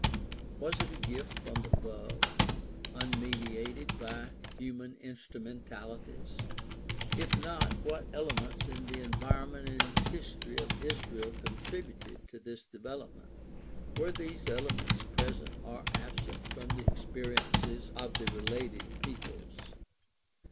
Was it a gift from above, unmediated by human instrumentalities ? If not, what ele ments in the environment and history of Israel contributed to this development? Were these elements present or absent from the experiences of the related peoples